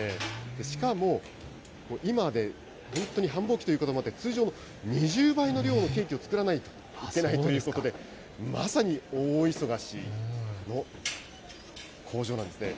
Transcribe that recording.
しかも今、本当に繁忙期ということもあって、通常の２０倍の量のケーキを作らないといけないということで、まさに大忙しの工場なんですね。